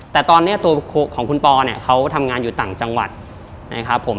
แต่ตอนนี้ตัวของคุณปอเนี่ยเขาทำงานอยู่ต่างจังหวัดนะครับผม